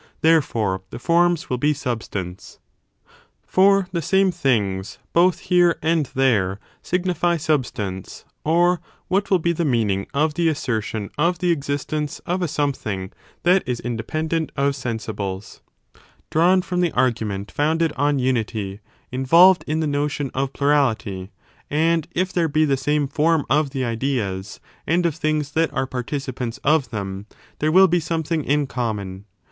Therefore, the forms . wiU. be substance. For the same things, both here and there, signify sub stance; or what will be the meaning of the assertion of the existence of a something that is independent of sensibles, drawn fi om the atrgument founded on unity, involved in the notion of plurality ; and if there be the same form of the ideas, and of things that are participants of them, there will be something in common?